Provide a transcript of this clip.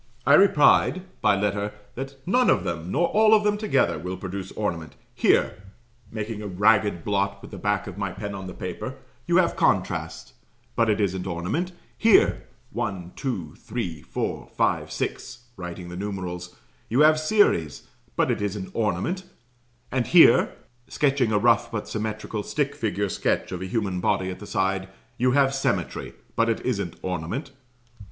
I replied (by letter) that "none of them, nor all of them together, would produce ornament. Here" (making a ragged blot with the back of my pen on the paper) "you have contrast; but it isn't ornament: here, 1, 2, 3, 4, 5, 6," (writing the numerals) "You have series; but it isn't ornament: and here," (sketching a rough but symmetrical "stick figure" sketch of a human body at the side) "you have symmetry; but it isn't ornament."